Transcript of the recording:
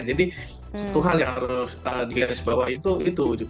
jadi satu hal yang harus digarisbawah itu itu